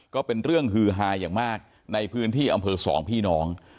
ก็เป็นเรื่องฮือฮาอย่างมากในพื้นที่อำเภอสองพี่น้อง